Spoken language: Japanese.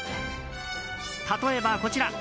例えば、こちら。